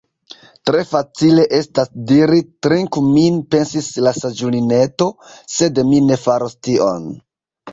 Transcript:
"Tre facile estas diri 'Trinku min'" pensis la saĝulineto, "sed mi ne faros tion. »